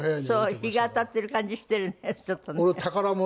日が当たってる感じしてるねちょっとね。